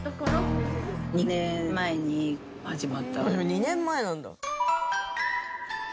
２年前なんだ。